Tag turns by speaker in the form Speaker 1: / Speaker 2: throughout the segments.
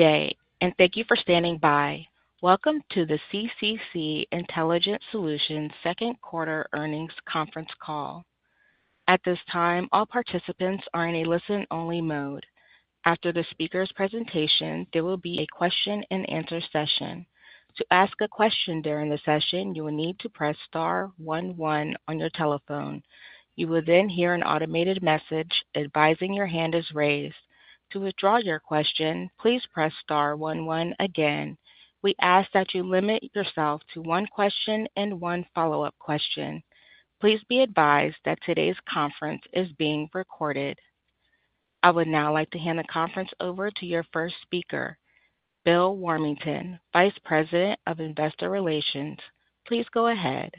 Speaker 1: Today, and thank you for standing by. Welcome to the CCC Intelligent Solutions second quarter earnings conference call. At this time, all participants are in a listen-only mode. After the speaker's presentation, there will be a question-and-answer session. To ask a question during the session, you will need to press star one one on your telephone. You will then hear an automated message advising your hand is raised. To withdraw your question, please press star one one again. We ask that you limit yourself to one question and one follow-up question. Please be advised that today's conference is being recorded. I would now like to hand the conference over to your first speaker, Bill Warmington, Vice President of Investor Relations. Please go ahead.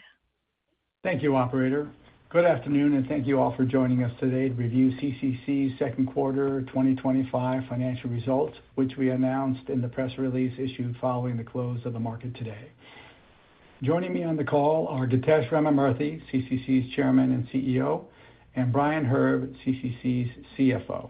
Speaker 2: Thank you, operator. Good afternoon, and thank you all for joining us today to review CCC's second quarter 2025 financial results, which we announced in the press release issued following the close of the market today. Joining me on the call are Githesh Ramamurthy, CCC's Chairman and CEO, and Brian Herb, CCC's CFO.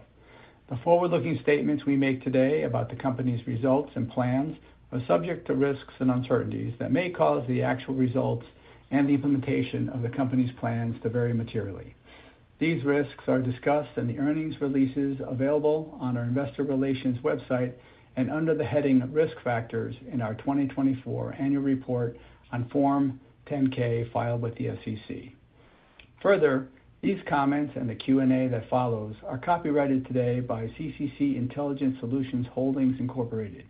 Speaker 2: The forward-looking statements we make today about the company's results and plans are subject to risks and uncertainties that may cause the actual results and the implementation of the company's plans to vary materially. These risks are discussed in the earnings releases available on our Investor Relations website and under the heading Risk Factors in our 2024 Annual Report on Form 10-K filed with the SEC. Further, these comments and the Q&A that follows are copyrighted today by CCC Intelligent Solutions Holdings Inc.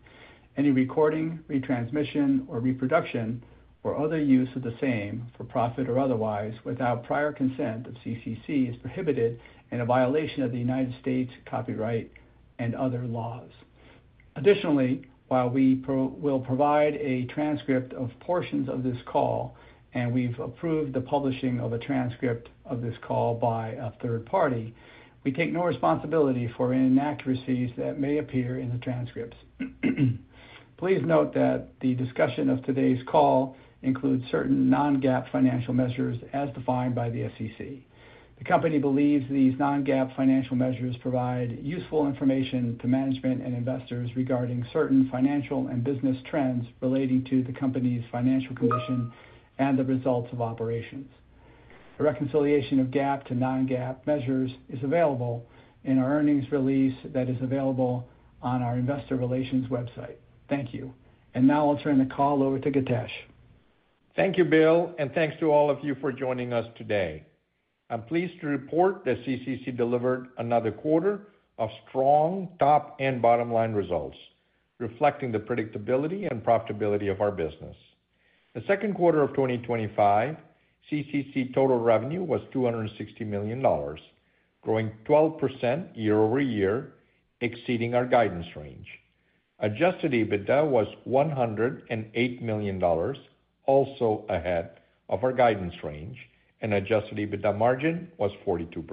Speaker 2: Any recording, retransmission, or reproduction, or other use of the same for profit or otherwise without prior consent of CCC is prohibited and a violation of the United States copyright and other laws. Additionally, while we will provide a transcript of portions of this call, and we've approved the publishing of a transcript of this call by a third party, we take no responsibility for inaccuracies that may appear in the transcripts. Please note that the discussion of today's call includes certain non-GAAP financial measures as defined by the SEC. The company believes these non-GAAP financial measures provide useful information to management and investors regarding certain financial and business trends relating to the company's financial condition and the results of operations. A reconciliation of GAAP to non-GAAP measures is available in our earnings release that is available on our Investor Relations website. Thank you. Now I'll turn the call over to Githesh.
Speaker 3: Thank you, Bill, and thanks to all of you for joining us today. I'm pleased to report that CCC delivered another quarter of strong top and bottom line results, reflecting the predictability and profitability of our business. In the second quarter of 2025, CCC total revenue was $260 million, growing 12% year-over-year, exceeding our guidance Adjusted EBITDA was $108 million, also ahead of our guidance range, Adjusted EBITDA margin was 42%.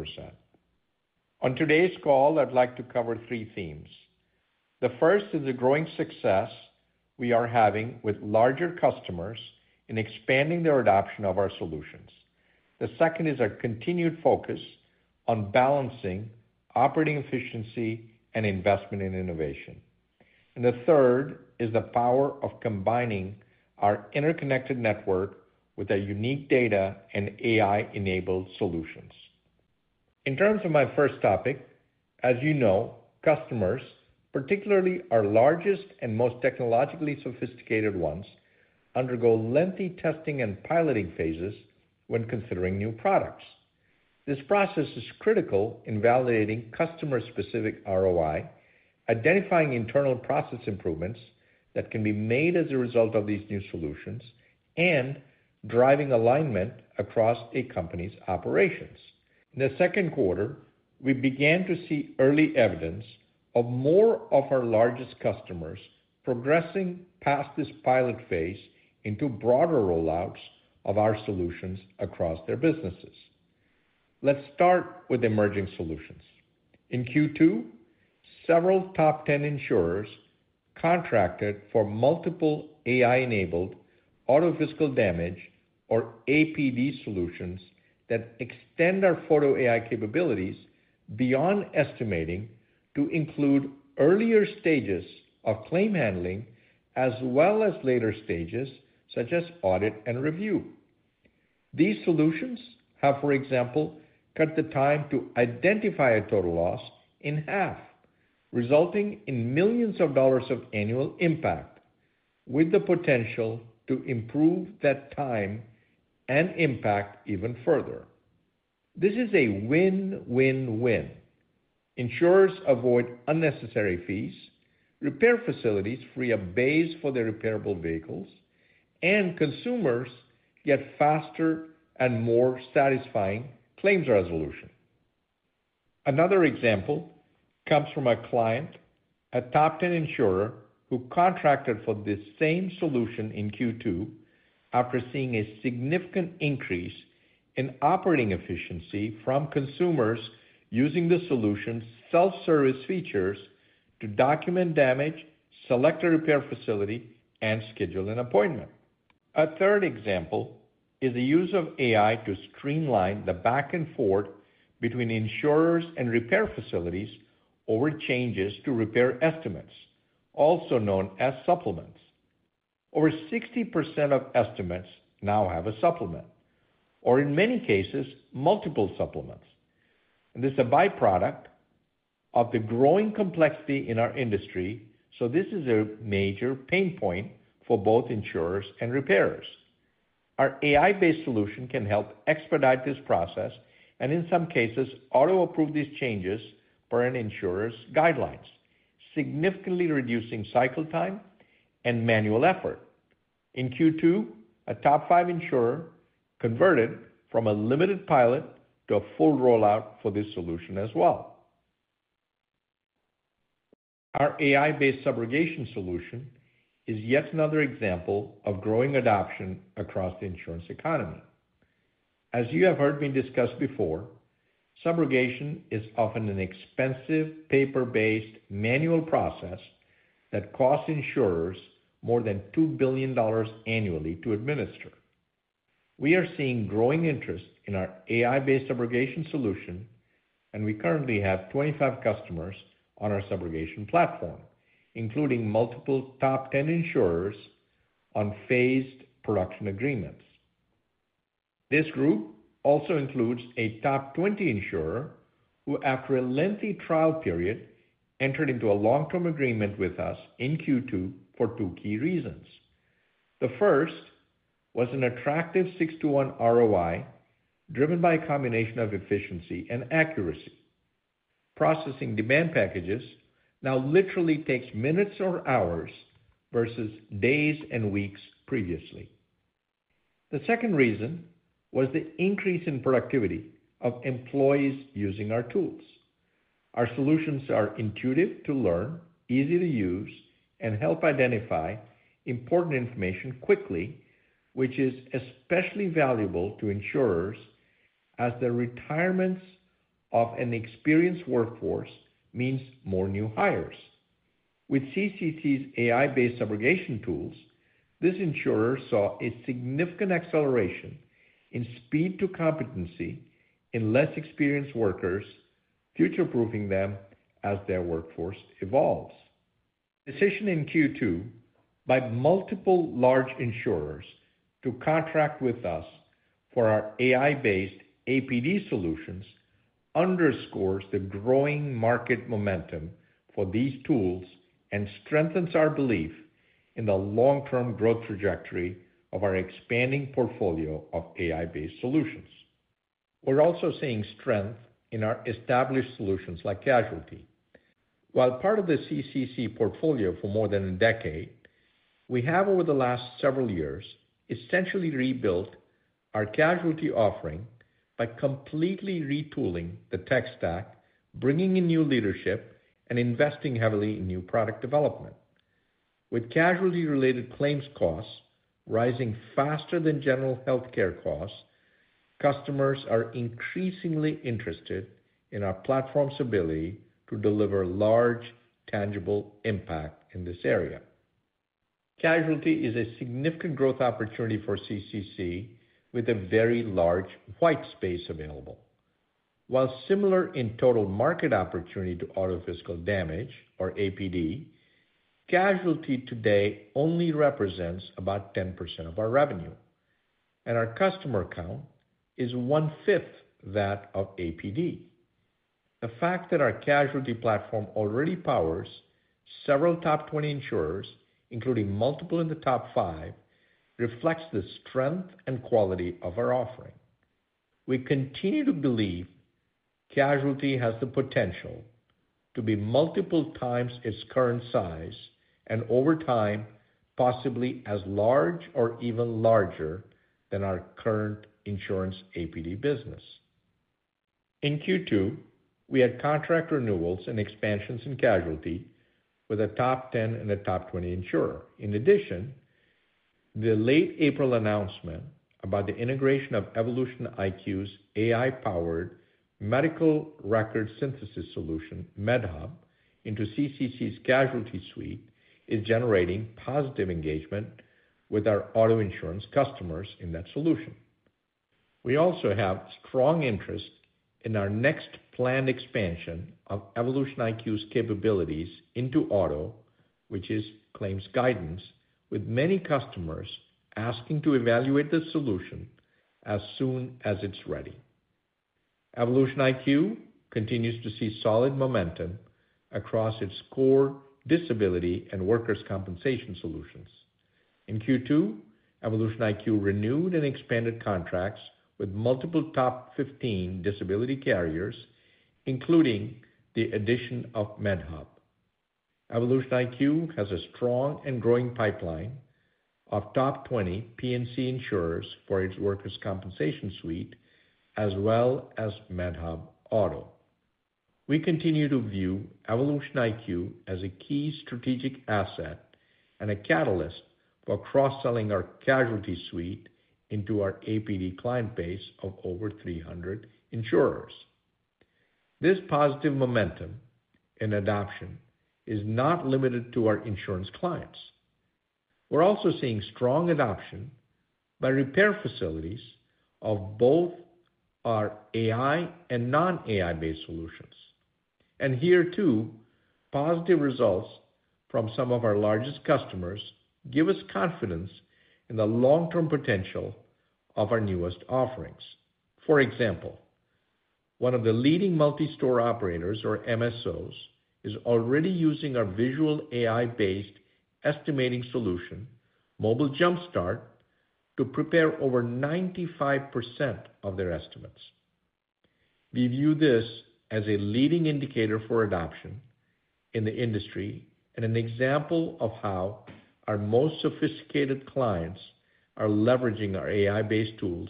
Speaker 3: On today's call, I'd like to cover three themes. The first is the growing success we are having with larger customers in expanding their adoption of our solutions. The second is our continued focus on balancing operating efficiency and investment in innovation. The third is the power of combining our interconnected network with our unique data and AI-enabled solutions. In terms of my first topic, as you know, customers, particularly our largest and most technologically sophisticated ones, undergo lengthy testing and piloting phases when considering new products. This process is critical in validating customer-specific ROI, identifying internal process improvements that can be made as a result of these new solutions, and driving alignment across a company's operations. In the second quarter, we began to see early evidence of more of our largest customers progressing past this pilot phase into broader rollouts of our solutions across their businesses. Let's start with emerging solutions. In Q2, several top 10 insurers contracted for multiple AI-enabled auto-physical damage, or APD, solutions that extend our Photo AI capabilities beyond estimating to include earlier stages of claim handling, as well as later stages such as audit and review. These solutions have, for example, cut the time to identify a total loss in half, resulting in millions of dollars of annual impact, with the potential to improve that time and impact even further. This is a win-win-win. Insurers avoid unnecessary fees, repair facilities free up bays for their repairable vehicles, and consumers get faster and more satisfying claims resolution. Another example comes from a client, a top 10 insurer who contracted for this same solution in Q2 after seeing a significant increase in operating efficiency from consumers using the solution's self-service features to document damage, select a repair facility, and schedule an appointment. A third example is the use of AI to streamline the back and forth between insurers and repair facilities over changes to repair estimates, also known as supplements. Over 60% of estimates now have a supplement, or in many cases, multiple supplements. This is a byproduct of the growing complexity in our industry, so this is a major pain point for both insurers and repairers. Our AI-based solution can help expedite this process and, in some cases, auto-approve these changes per an insurer's guidelines, significantly reducing cycle time and manual effort. In Q2, a top five insurer converted from a limited pilot to a full rollout for this solution as well. Our AI-based subrogation solution is yet another example of growing adoption across the insurance economy. As you have heard me discuss before, subrogation is often an expensive, paper-based manual process that costs insurers more than $2 billion annually to administer. We are seeing growing interest in our AI-based subrogation solution, and we currently have 25 customers on our Subrogation platform, including multiple top 10 insurers on phased production agreements. This group also includes a top 20 insurer who, after a lengthy trial period, entered into a long-term agreement with us in Q2 for two key reasons. The first was an attractive six-to-one ROI driven by a combination of efficiency and accuracy. Processing demand packages now literally takes minutes or hours versus days and weeks previously. The second reason was the increase in productivity of employees using our tools. Our solutions are intuitive to learn, easy to use, and help identify important information quickly, which is especially valuable to insurers as the retirements of an experienced workforce means more new hires. With CCC's AI-based subrogation tools, this insurer saw a significant acceleration in speed to competency in less experienced workers, future-proofing them as their workforce evolves. The decision in Q2 by multiple large insurers to contract with us for our AI-based APD solutions underscores the growing market momentum for these tools and strengthens our belief in the long-term growth trajectory of our expanding portfolio of AI-based solutions. We're also seeing strength in our established solutions like casualty. While part of the CCC portfolio for more than a decade, we have over the last several years essentially rebuilt our casualty offering by completely retooling the tech stack, bringing in new leadership, and investing heavily in new product development. With casualty-related claims costs rising faster than general healthcare costs, customers are increasingly interested in our platform's ability to deliver large, tangible impact in this area. Casualty is a significant growth opportunity for CCC with a very large white space available. While similar in total market opportunity to auto-physical damage, or APD, casualty today only represents about 10% of our revenue, and our customer count is one-fifth that of APD. The fact that our Casualty platform already powers several top 20 insurers, including multiple in the top five, reflects the strength and quality of our offering. We continue to believe casualty has the potential to be multiple times its current size and over time possibly as large or even larger than our current insurance APD business. In Q2, we had contract renewals and expansions in casualty with a top 10 and a top 20 insurer. In addition, the late-April announcement about the integration of EvolutionIQ's AI-powered medical record synthesis solution, MedHub, into CCC's casualty suite is generating positive engagement with our auto insurance customers in that solution. We also have strong interest in our next planned expansion of EvolutionIQ's capabilities into auto, which is claims guidance, with many customers asking to evaluate the solution as soon as it's ready. EvolutionIQ continues to see solid momentum across its core disability and workers' compensation solutions. In Q2, EvolutionIQ renewed and expanded contracts with multiple top 15 disability carriers, including the addition of MedHub. EvolutionIQ has a strong and growing pipeline of top 20 P&C insurers for its workers' compensation suite, as well as MedHub Auto. We continue to view EvolutionIQ as a key strategic asset and a catalyst for cross-selling our casualty suite into our APD client base of over 300 insurers. This positive momentum in adoption is not limited to our insurance clients. We are also seeing strong adoption by repair facilities of both our AI and non-AI-based solutions. Here, too, positive results from some of our largest customers give us confidence in the long-term potential of our newest offerings. For example, one of the leading multi-store operators, or MSOs, is already using our visual AI-based estimating solution, Mobile Jumpstart, to prepare over 95% of their estimates. We view this as a leading indicator for adoption in the industry and an example of how our most sophisticated clients are leveraging our AI-based tools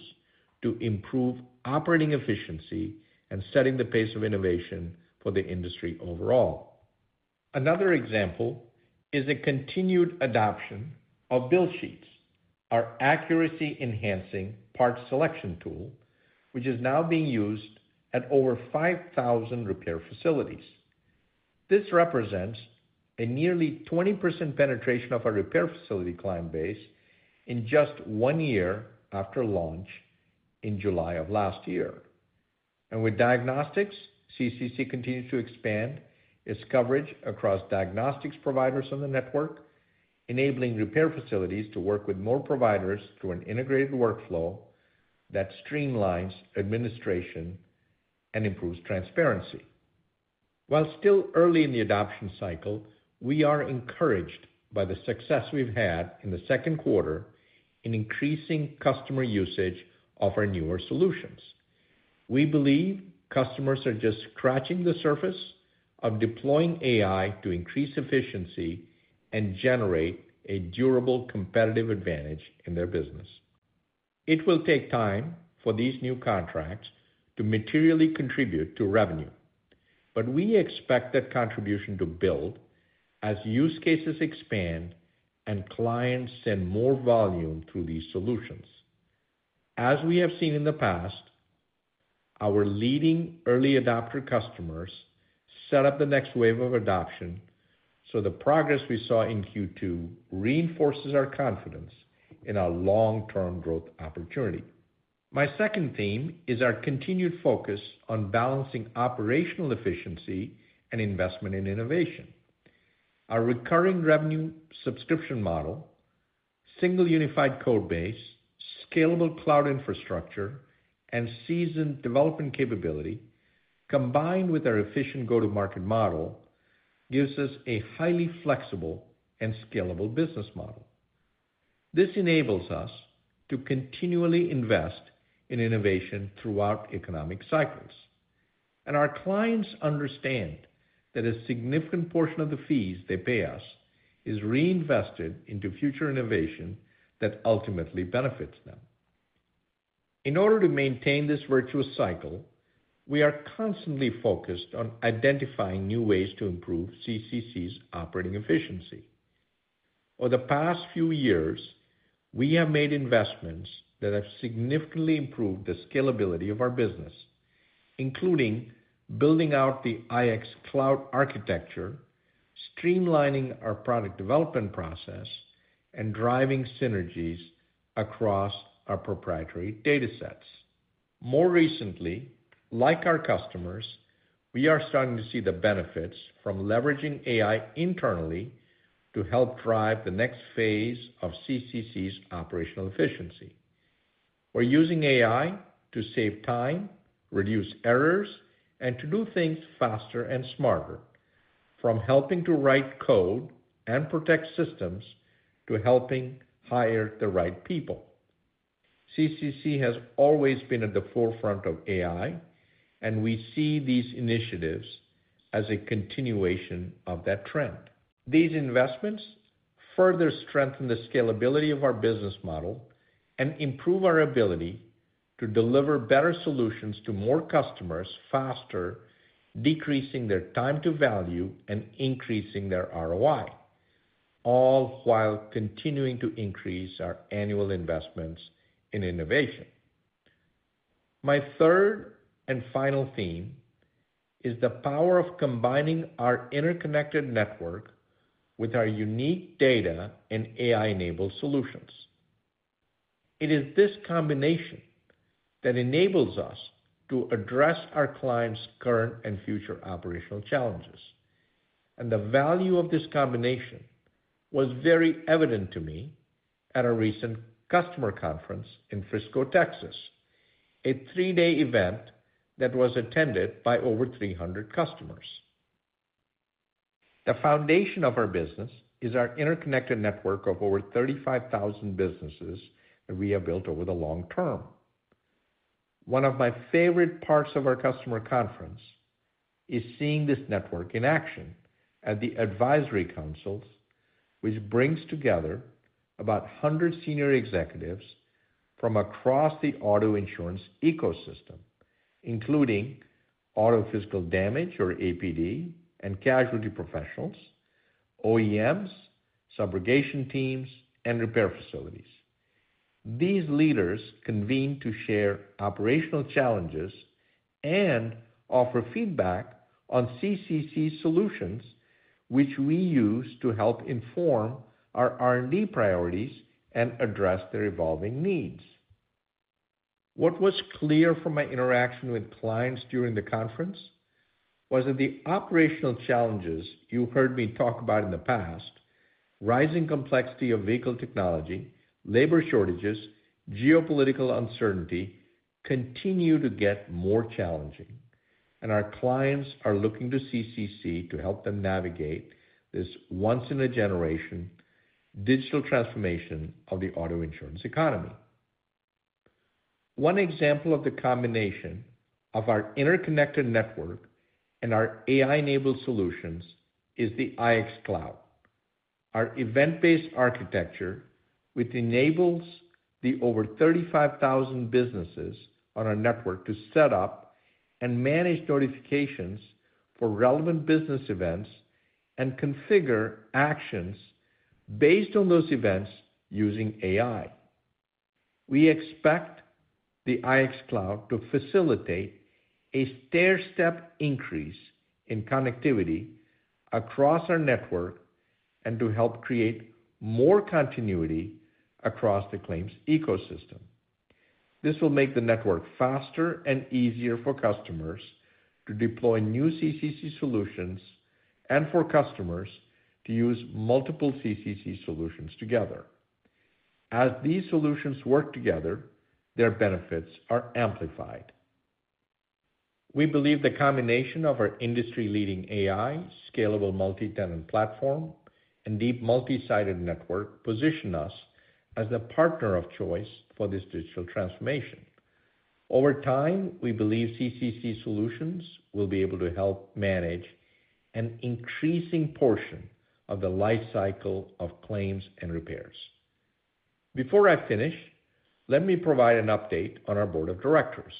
Speaker 3: to improve operating efficiency and setting the pace of innovation for the industry overall. Another example is the continued adoption of Build Sheets, our accuracy-enhancing part selection tool, which is now being used at over 5,000 repair facilities. This represents a nearly 20% penetration of our repair facility client base in just one year after launch in July of last year. With diagnostics, CCC continues to expand its coverage across diagnostics providers on the network, enabling repair facilities to work with more providers through an integrated workflow that streamlines administration and improves transparency. While still early in the adoption cycle, we are encouraged by the success we've had in the second quarter in increasing customer usage of our newer solutions. We believe customers are just scratching the surface of deploying AI to increase efficiency and generate a durable competitive advantage in their business. It will take time for these new contracts to materially contribute to revenue, but we expect that contribution to build as use cases expand and clients send more volume through these solutions. As we have seen in the past, our leading early adopter customers set up the next wave of adoption, so the progress we saw in Q2 reinforces our confidence in our long-term growth opportunity. My second theme is our continued focus on balancing operational efficiency and investment in innovation. Our recurring revenue subscription model, single unified code base, scalable cloud infrastructure, and seasoned development capability, combined with our efficient go-to-market model, gives us a highly flexible and scalable business model. This enables us to continually invest in innovation throughout economic cycles, and our clients understand that a significant portion of the fees they pay us is reinvested into future innovation that ultimately benefits them. In order to maintain this virtuous cycle, we are constantly focused on identifying new ways to improve CCC's operating efficiency. Over the past few years, we have made investments that have significantly improved the scalability of our business, including building out the IX Cloud architecture, streamlining our product development process, and driving synergies across our proprietary data sets. More recently, like our customers, we are starting to see the benefits from leveraging AI internally to help drive the next phase of CCC's operational efficiency. We're using AI to save time, reduce errors, and to do things faster and smarter, from helping to write code and protect systems to helping hire the right people. CCC has always been at the forefront of AI, and we see these initiatives as a continuation of that trend. These investments further strengthen the scalability of our business model and improve our ability to deliver better solutions to more customers faster, decreasing their time to value and increasing their ROI, all while continuing to increase our annual investments in innovation. My third and final theme is the power of combining our interconnected network with our unique data and AI-infused solutions. It is this combination that enables us to address our clients' current and future operational challenges, and the value of this combination was very evident to me at a recent customer conference in Frisco, Texas, a three-day event that was attended by over 300 customers. The foundation of our business is our interconnected network of over 35,000 businesses that we have built over the long term. One of my favorite parts of our customer conference is seeing this network in action at the advisory councils, which brings together about 100 senior executives from across the auto insurance ecosystem, including auto-physical damage, or APD, and casualty professionals, OEMs, subrogation teams, and repair facilities. These leaders convene to share operational challenges and offer feedback on CCC's solutions, which we use to help inform our R&D priorities and address their evolving needs. What was clear from my interaction with clients during the conference was that the operational challenges you heard me talk about in the past, rising complexity of vehicle technology, labor shortages, and geopolitical uncertainty, continue to get more challenging, and our clients are looking to CCC to help them navigate this once-in-a-generation digital transformation of the auto insurance economy. One example of the combination of our interconnected network and our AI-enabled solutions is the IX Cloud, our event-based architecture, which enables the over 35,000 businesses on our network to set up and manage notifications for relevant business events and configure actions based on those events using AI. We expect the IX Cloud to facilitate a stair-step increase in connectivity across our network and to help create more continuity across the claims ecosystem. This will make the network faster and easier for customers to deploy new CCC solutions and for customers to use multiple CCC solutions together. As these solutions work together, their benefits are amplified. We believe the combination of our industry-leading AI, scalable multi-tenant platform, and deep multi-sided network position us as the partner of choice for this digital transformation. Over time, we believe CCC solutions will be able to help manage an increasing portion of the lifecycle of claims and repairs. Before I finish, let me provide an update on our Board of Directors.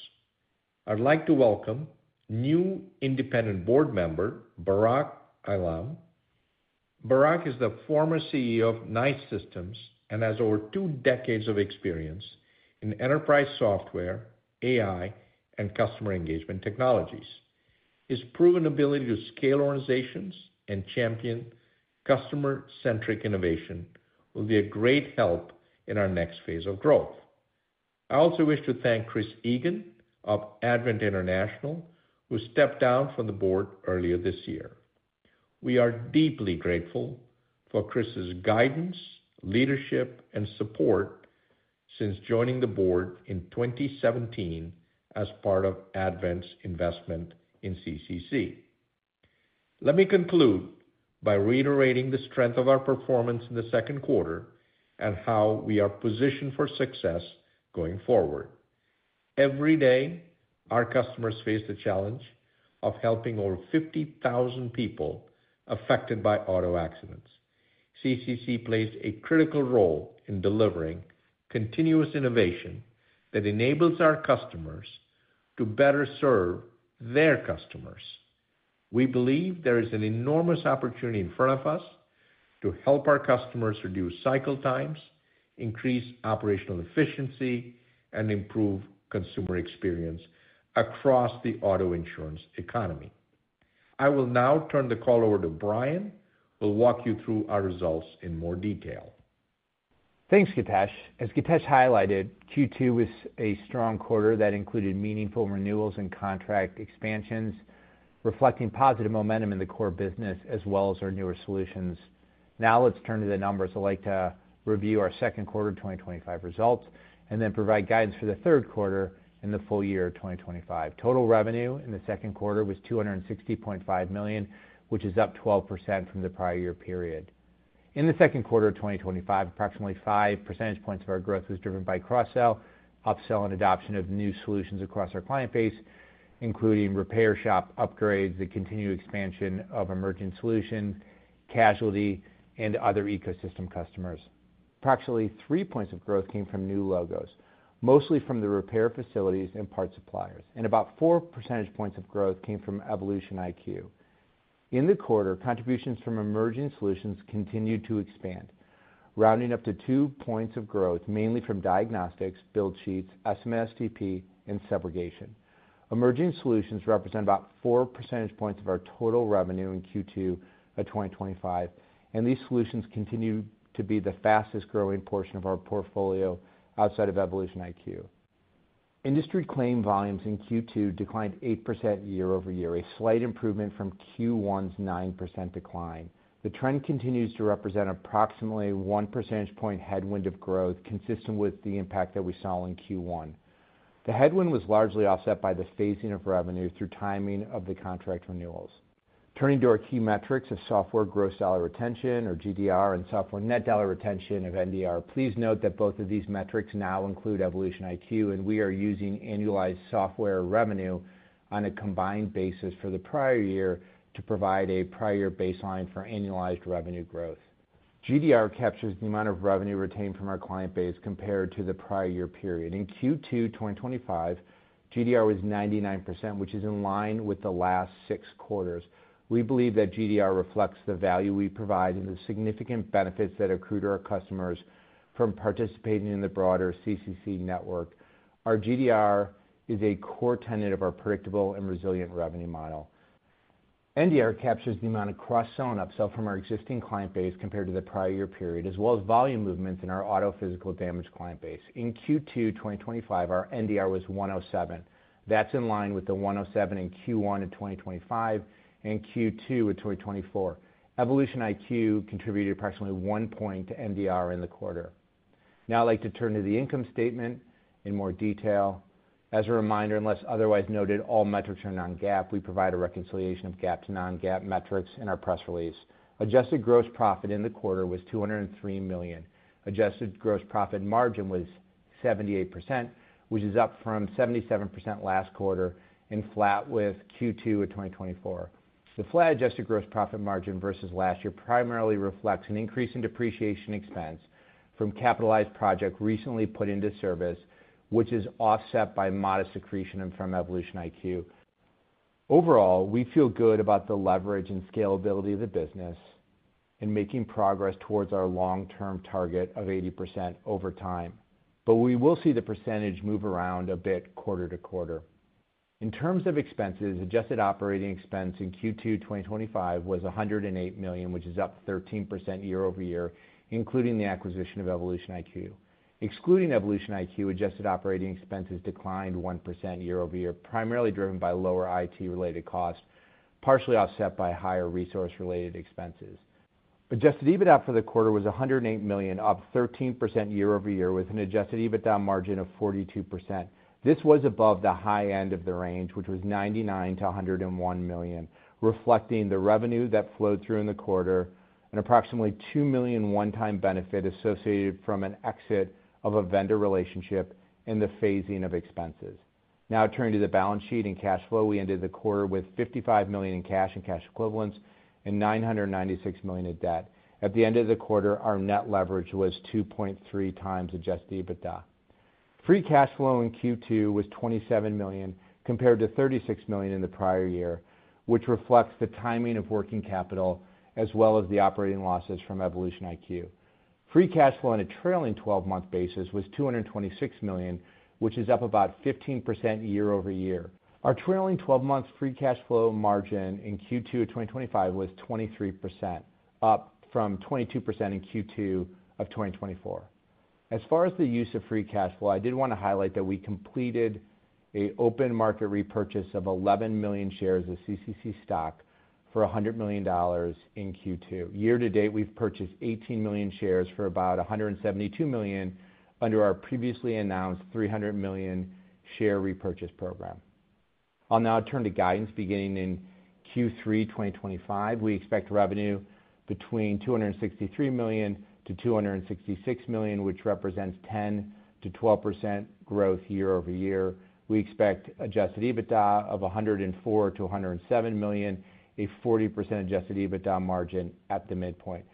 Speaker 3: I'd like to welcome new independent board member, Barak Ailam. Barak is the former CEO of Knight Systems and has over two decades of experience in enterprise software, AI, and customer engagement technologies. His proven ability to scale organizations and champion customer-centric innovation will be a great help in our next phase of growth. I also wish to thank Chris Egan of Advent International, who stepped down from the board earlier this year. We are deeply grateful for Chris's guidance, leadership, and support since joining the board in 2017 as part of Advent's investment in CCC. Let me conclude by reiterating the strength of our performance in the second quarter and how we are positioned for success going forward. Every day, our customers face the challenge of helping over 50,000 people affected by auto accidents. CCC plays a critical role in delivering continuous innovation that enables our customers to better serve their customers. We believe there is an enormous opportunity in front of us to help our customers reduce cycle times, increase operational efficiency, and improve consumer experience across the auto insurance economy. I will now turn the call over to Brian, who will walk you through our results in more detail.
Speaker 4: Thanks, Githesh. As Githesh highlighted, Q2 was a strong quarter that included meaningful renewals and contract expansions, reflecting positive momentum in the core business as well as our newer solutions. Now let's turn to the numbers. I'd like to review our second quarter of 2025 results and then provide guidance for the third quarter and the full year of 2025. Total revenue in the second quarter was $260.5 million, which is up 12% from the prior year period. In the second quarter of 2025, approximately five percentage points of our growth was driven by cross-sell, upsell, and adoption of new solutions across our client base, including repair shop upgrades, the continued expansion of emerging solutions, casualty, and other ecosystem customers. Approximately three points of growth came from new logos, mostly from the repair facilities and parts suppliers, and about four percentage points of growth came from EvolutionIQ. In the quarter, contributions from emerging solutions continued to expand, rounding up to two points of growth, mainly from diagnostics, Build Sheets, SMSTP, and subrogation. Emerging solutions represent about four percentage points of our total revenue in Q2 of 2025, and these solutions continue to be the fastest growing portion of our portfolio outside of EvolutionIQ. Industry claim volumes in Q2 declined 8% year-over-year, a slight improvement from Q1's 9% decline. The trend continues to represent approximately one percentage point headwind of growth, consistent with the impact that we saw in Q1. The headwind was largely offset by the phasing of revenue through timing of the contract renewals. Turning to our key metrics of software gross dollar retention, or GDR, and software net dollar retention, or NDR, please note that both of these metrics now include EvolutionIQ, and we are using annualized software revenue on a combined basis for the prior year to provide a prior year baseline for annualized revenue growth. GDR captures the amount of revenue retained from our client base compared to the prior year period. In Q2 2025, GDR was 99%, which is in line with the last six quarters. We believe that GDR reflects the value we provide and the significant benefits that accrue to our customers from participating in the broader CCC network. Our GDR is a core tenet of our predictable and resilient revenue model. NDR captures the amount of cross-sell and upsell from our existing client base compared to the prior year period, as well as volume movements in our auto-physical damage client base. In Q2 2025, our NDR was 107. That's in line with the 107 in Q1 of 2025 and Q2 of 2024. EvolutionIQ contributed approximately one point to NDR in the quarter. Now I'd like to turn to the income statement in more detail. As a reminder, unless otherwise noted, all metrics are non-GAAP. We provide a reconciliation of GAAP to non-GAAP metrics in our press release. Adjusted gross profit in the quarter was $203 million. Adjusted gross profit margin was 78%, which is up from 77% last quarter and flat with Q2 of 2024. The flat adjusted gross profit margin versus last year primarily reflects an increase in depreciation expense from capitalized projects recently put into service, which is offset by modest accretion from EvolutionIQ. Overall, we feel good about the leverage and scalability of the business and making progress towards our long-term target of 80% over time, but we will see the percentage move around a bit quarter to quarter. In terms of expenses, adjusted operating expense in Q2 2025 was $108 million, which is up 13% year-over-year, including the acquisition of EvolutionIQ. Excluding EvolutionIQ, adjusted operating expenses declined 1% year-over-year, primarily driven by lower IT-related costs, partially offset by higher resource-related Adjusted EBITDA for the quarter was $108 million, up 13% year-over-year, with Adjusted EBITDA margin of 42%. This was above the high end of the range, which was $99 million-$101 million, reflecting the revenue that flowed through in the quarter and approximately $2 million one-time benefit associated from an exit of a vendor relationship and the phasing of expenses. Now turning to the balance sheet and cash flow, we ended the quarter with $55 million in cash and cash equivalents and $996 million in debt. At the end of the quarter, our net leverage was 2.3 Adjusted EBITDA. free cash flow in Q2 was $27 million compared to $36 million in the prior year, which reflects the timing of working capital as well as the operating losses from EvolutionIQ. Free cash flow on a trailing 12-month basis was $226 million, which is up about 15% year-over-year. Our trailing 12-month free cash flow margin in Q2 of 2025 was 23%, up from 22% in Q2 of 2024. As far as the use of free cash flow, I did want to highlight that we completed an open market repurchase of 11 million shares of CCC stock for $100 million in Q2. Year to date, we've purchased 18 million shares for about $172 million under our previously announced $300 million share repurchase program. I'll now turn to guidance. Beginning in Q3 2025, we expect revenue between $263 million-$266 million, which represents 10%-12% growth year-over-year. We Adjusted EBITDA of $104 million-$107 million, a Adjusted EBITDA margin at the midpoint.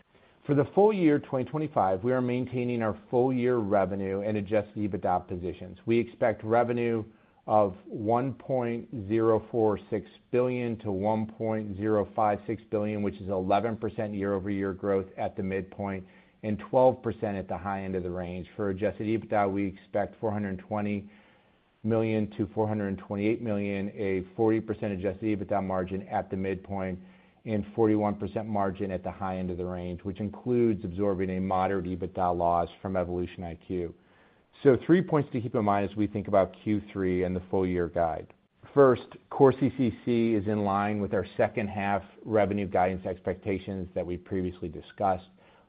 Speaker 4: For the full year 2025, we are maintaining our full year revenue Adjusted EBITDA positions. We expect revenue of $1.046 billion-$1.056 billion, which is 11% year-over-year growth at the midpoint and 12% at the high end of the range. Adjusted EBITDA, we expect $420 million-$428 million, a Adjusted EBITDA margin at the midpoint and 41% margin at the high end of the range, which includes absorbing a moderate EBITDA loss from EvolutionIQ. Three points to keep in mind as we think about Q3 and the full year guide. First, core CCC is in line with our second half revenue guidance expectations that we previously discussed.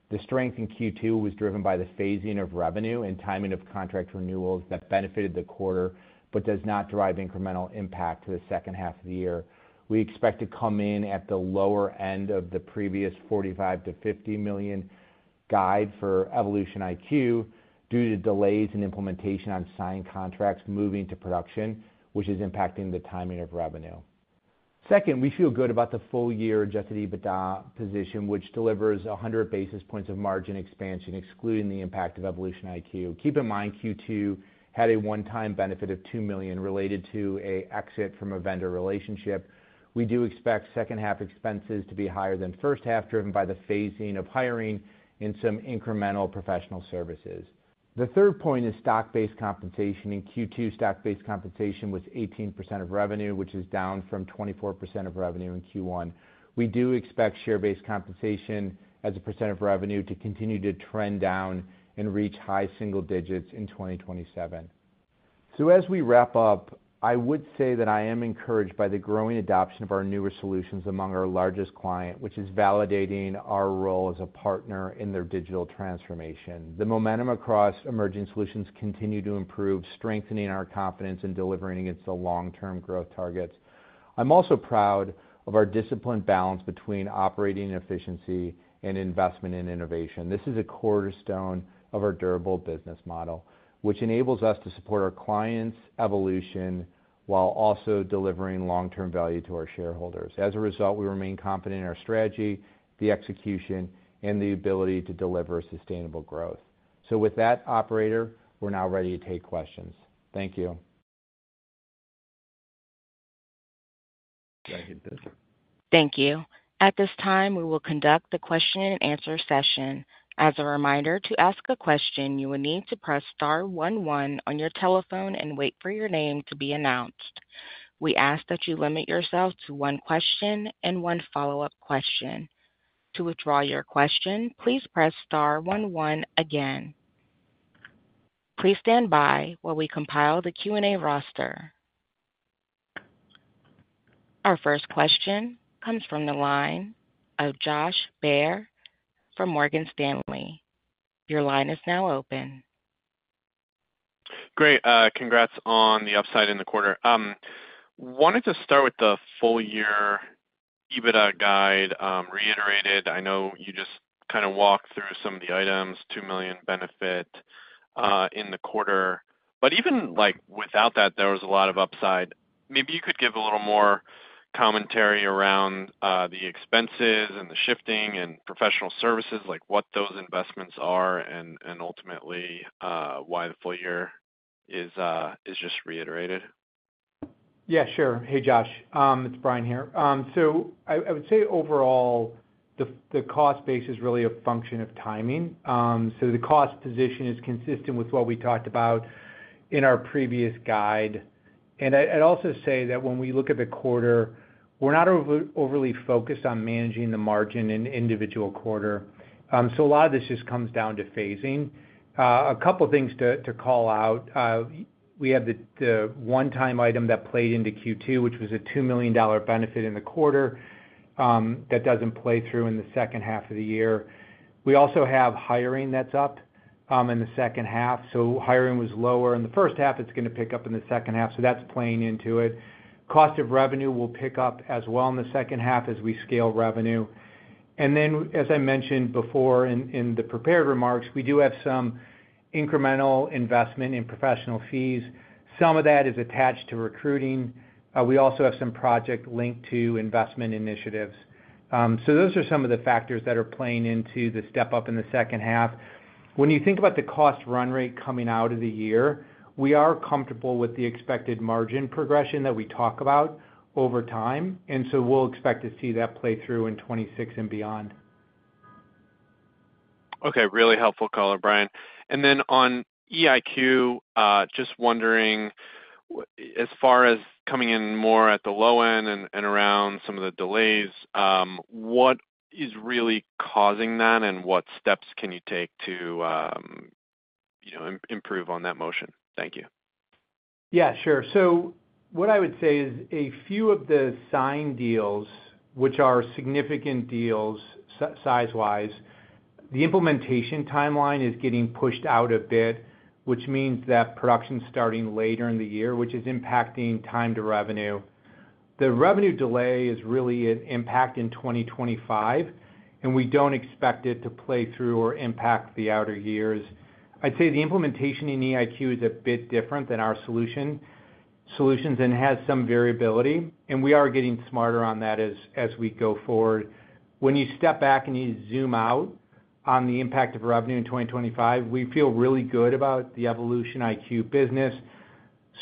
Speaker 4: The strength in Q2 was driven by the phasing of revenue and timing of contract renewals that benefited the quarter, but does not drive incremental impact to the second half of the year. We expect to come in at the lower end of the previous $45 million-$50 million guide for EvolutionIQ due to delays in implementation on signed contracts moving to production, which is impacting the timing of revenue. Second, we feel good about the full Adjusted EBITDA position, which delivers 100 basis points of margin expansion, excluding the impact of EvolutionIQ. Keep in mind Q2 had a one-time benefit of $2 million related to an exit from a vendor relationship. We do expect second half expenses to be higher than first half, driven by the phasing of hiring and some incremental professional services. The third point is stock-based compensation. In Q2, stock-based compensation was 18% of revenue, which is down from 24% of revenue in Q1. We do expect share-based compensation as a percent of revenue to continue to trend down and reach high single digits in 2027. As we wrap up, I would say that I am encouraged by the growing adoption of our newer solutions among our largest client, which is validating our role as a partner in their digital transformation. The momentum across emerging solutions continues to improve, strengthening our confidence in delivering against the long-term growth targets. I'm also proud of our disciplined balance between operating efficiency and investment in innovation. This is a cornerstone of our durable business model, which enables us to support our clients' evolution while also delivering long-term value to our shareholders. As a result, we remain confident in our strategy, the execution, and the ability to deliver sustainable growth. Operator, we're now ready to take questions. Thank you. Thank you.
Speaker 1: At this time, we will conduct the question-and-answer session. As a reminder, to ask a question, you will need to press star one one on your telephone and wait for your name to be announced. We ask that you limit yourself to one question and one follow-up question. To withdraw your question, please press star one one again. Please stand by while we compile the Q&A roster. Our first question comes from the line of Josh Baer from Morgan Stanley. Your line is now open.
Speaker 5: Great. Congrats on the upside in the quarter. Wanted to start with the full year EBITDA guide. Reiterated, I know you just kind of walked through some of the items, $2 million benefit in the quarter, but even like without that, there was a lot of upside. Maybe you could give a little more commentary around the expenses and the shifting in professional services, like what those investments are, and ultimately why the full year is just reiterated.
Speaker 4: Yeah, sure. Hey, Josh. It's Brian here. I would say overall, the cost base is really a function of timing. The cost position is consistent with what we talked about in our previous guide. I'd also say that when we look at the quarter, we're not overly focused on managing the margin in the individual quarter. A lot of this just comes down to phasing. A couple of things to call out. We have the one-time item that played into Q2, which was a $2 million benefit in the quarter that doesn't play through in the second half of the year. We also have hiring that's up in the second half. Hiring was lower in the first half. It's going to pick up in the second half. That's playing into it. Cost of revenue will pick up as well in the second half as we scale revenue. As I mentioned before in the prepared remarks, we do have some incremental investment in professional fees. Some of that is attached to recruiting. We also have some project linked to investment initiatives. Those are some of the factors that are playing into the step up in the second half. When you think about the cost run rate coming out of the year, we are comfortable with the expected margin progression that we talk about over time. We'll expect to see that play through in 2026 and beyond.
Speaker 5: Okay. Really helpful call there, Brian. On EIQ, just wondering, as far as coming in more at the low end and around some of the delays, what is really causing that and what steps can you take to improve on that motion? Thank you.
Speaker 4: Yeah, sure. What I would say is a few of the signed deals, which are significant deals size-wise, the implementation timeline is getting pushed out a bit, which means that production is starting later in the year, which is impacting time to revenue. The revenue delay is really an impact in 2025, and we don't expect it to play through or impact the outer years. I'd say the implementation in EvolutionIQ is a bit different than our solutions and has some variability, and we are getting smarter on that as we go forward. When you step back and you zoom out on the impact of revenue in 2025, we feel really good about the EvolutionIQ business,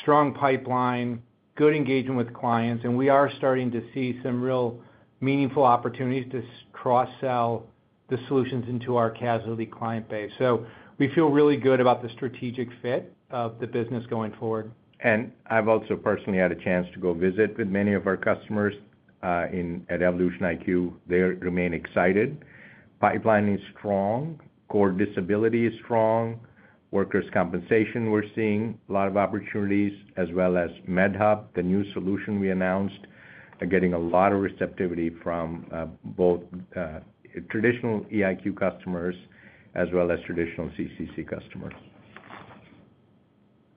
Speaker 4: strong pipeline, good engagement with clients, and we are starting to see some real meaningful opportunities to cross-sell the solutions into our casualty client base. We feel really good about the strategic fit of the business going forward.
Speaker 3: I've also personally had a chance to go visit with many of our customers at EvolutionIQ. They remain excited. Pipeline is strong. Core disability is strong. Workers' compensation, we're seeing a lot of opportunities, as well as MedHub, the new solution we announced, are getting a lot of receptivity from both traditional EvolutionIQ customers as well as traditional CCC customers.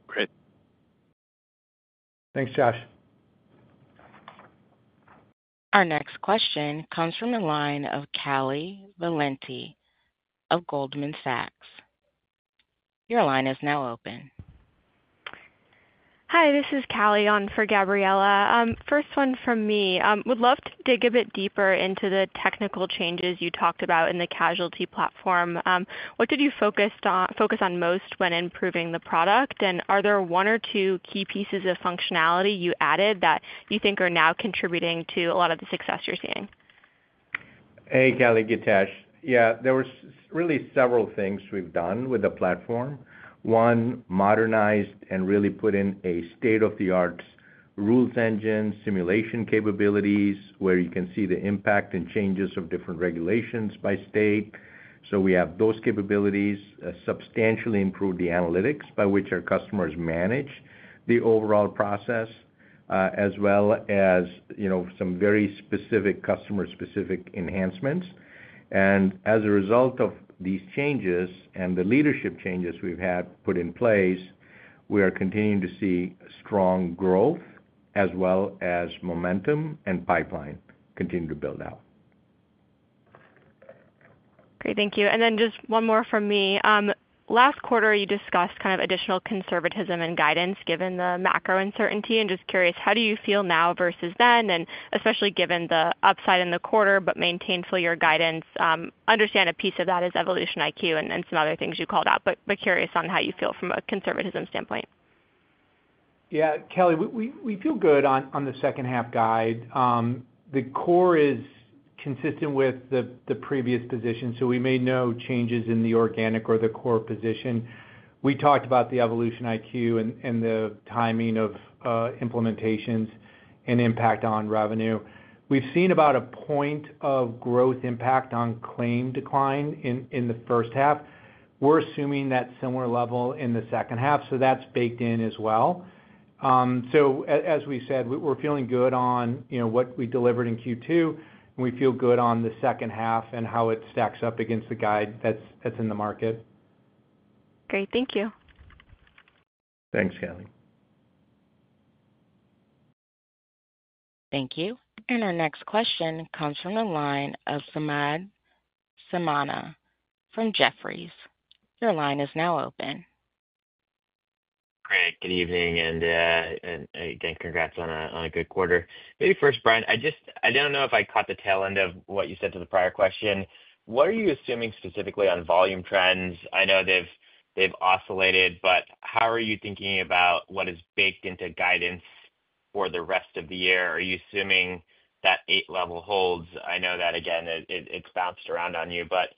Speaker 5: Great.
Speaker 4: Thanks, Josh.
Speaker 1: Our next question comes from the line of Callie Valenti of Goldman Sachs. Your line is now open.
Speaker 6: Hi, this is Callie on for Gabriela. First one from me. Would love to dig a bit deeper into the technical changes you talked about in the Casualty platform. What did you focus on most when improving the product? Are there one or two key pieces of functionality you added that you think are now contributing to a lot of the success you're seeing?
Speaker 3: Hey, Callie and Githesh. There were really several things we've done with the platform. One, modernized and really put in a state-of-the-art rules engine, simulation capabilities where you can see the impact and changes of different regulations by state. We have those capabilities, substantially improved the analytics by which our customers manage the overall process, as well as some very specific customer-specific enhancements. As a result of these changes and the leadership changes we've had put in place, we are continuing to see strong growth as well as momentum and pipeline continue to build out.
Speaker 6: Great. Thank you. Just one more from me. Last quarter, you discussed kind of additional conservatism in guidance given the macro uncertainty. I'm just curious, how do you feel now versus then, especially given the upside in the quarter, but you maintain full year guidance? I understand a piece of that is EvolutionIQ and some other things you called out, but curious on how you feel from a conservatism standpoint.
Speaker 4: Yeah, Callie, we feel good on the second half guide. The core is consistent with the previous position, so we made no changes in the organic or the core position. We talked about EvolutionIQ and the timing of implementations and impact on revenue. We've seen about a point of growth impact on claim decline in the first half. We're assuming that similar level in the second half, so that's baked in as well. As we said, we're feeling good on what we delivered in Q2, and we feel good on the second half and how it stacks up against the guide that's in the market.
Speaker 6: Great. Thank you.
Speaker 3: Thanks, Callie.
Speaker 1: Thank you. Our next question comes from the line of Samad Samana from Jefferies. Your line is now open.
Speaker 7: Great. Good evening, and again, congrats on a good quarter. Maybe first, Brian, I just, I don't know if I caught the tail end of what you said to the prior question. What are you assuming specifically on volume trends? I know they've oscillated, but how are you thinking about what is baked into guidance for the rest of the year? Are you assuming that APD level holds? I know that, again, it's bounced around on you, but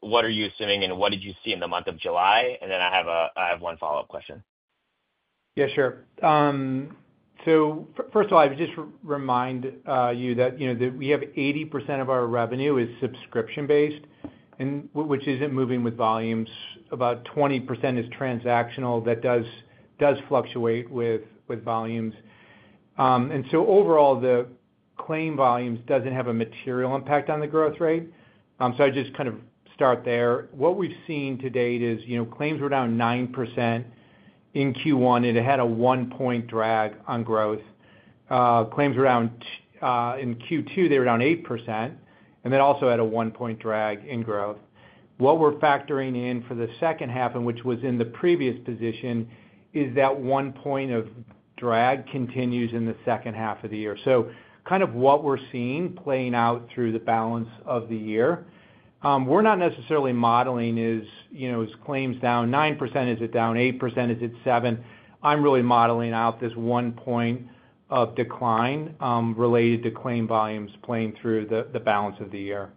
Speaker 7: what are you assuming and what did you see in the month of July? I have one follow-up question.
Speaker 4: Yeah, sure. First of all, I would just remind you that, you know, we have 80% of our revenue is subscription-based, which isn't moving with volumes. About 20% is transactional. That does fluctuate with volumes. Overall, the claim volumes don't have a material impact on the growth rate. I'd just kind of start there. What we've seen to date is, you know, claims were down 9% in Q1, and it had a one-point drag on growth. Claims were down in Q2, they were down 8%, and then also had a one-point drag in growth. What we're factoring in for the second half, which was in the previous position, is that one point of drag continues in the second half of the year. That's kind of what we're seeing playing out through the balance of the year. We're not necessarily modeling, you know, is claims down 9%? Is it down 8%? Is it 7%? I'm really modeling out this one point of decline related to claim volumes playing through the balance of the year.